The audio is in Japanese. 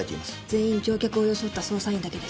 全員乗客を装った捜査員だけです。